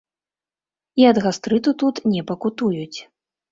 І ад гастрыту тут не пакутуюць.